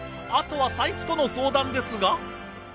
あとは財布との相談ですが。